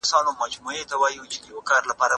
خلګ باید د اقتصاد په اړه معلومات ولري.